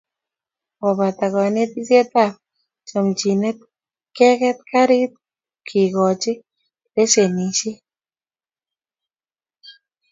Ngopata konetisietab chomchinet keget garit kekoch lesenisiek